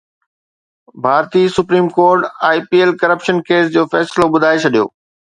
ڀارتي supreme court I P L corruption case جو فيصلو ٻڌائي ڇڏيو